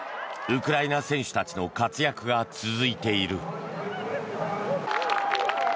ウクライナ選手たちの活躍が続いている。